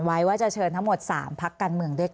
รัฐบาลนี้ใช้วิธีปล่อยให้จนมา๔ปีปีที่๕ค่อยมาแจกเงิน